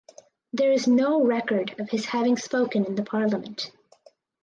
There is no record of his having spoken in the Parliament.